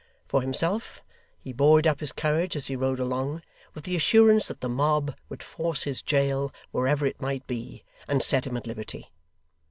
For himself, he buoyed up his courage as he rode along, with the assurance that the mob would force his jail wherever it might be, and set him at liberty.